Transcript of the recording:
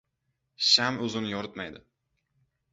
• Sham o‘zini yoritmaydi.